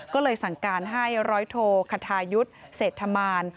ก็เลยสั่งการให้ร้อยโทคทายุทธ์เศรษฐมาน